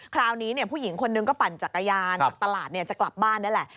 คราวนี้ผู้หญิงคนนึงก็ปั่นจักรยานจากตลาดจะกลับบ้านนี่แหละ